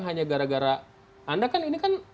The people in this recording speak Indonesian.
hanya gara gara anda kan ini kan